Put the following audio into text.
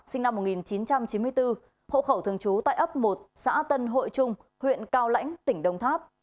sinh năm một nghìn chín trăm chín mươi bốn hộ khẩu thường trú tại ấp một xã tân hội trung huyện cao lãnh tỉnh đồng tháp